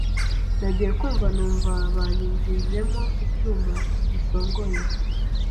Nagiye kumva numva banyinjijemo icyuma gisongoye